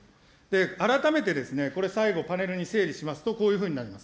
改めて、これ、最後パネルに整理しますと、こういうふうになります。